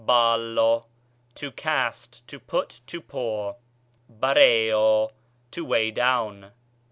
βάλλω, to cast, to put, to pour. Bapéw, to weigh down.